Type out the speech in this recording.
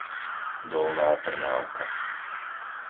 Dolná Trnávka